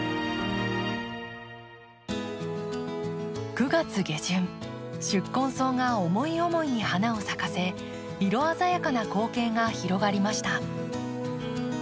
９月下旬宿根草が思い思いに花を咲かせ色鮮やかな光景が広がりました。